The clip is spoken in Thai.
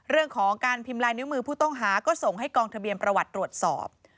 เรื่องของการพิมพ์ลายนิ้วมือผู้ต้องหาก็ส่งให้กองทะเบียนประวัติตรวจสอบ